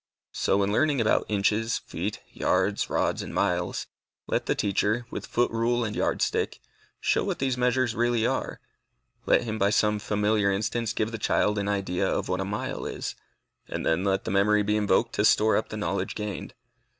So in learning about inches, feet, yards, rods, and miles, let the teacher, with foot rule and yard stick, show what these measures really are, let him by some familiar instance give the child an idea of what a mile is, and then let the memory be invoked to store up the knowledge gained.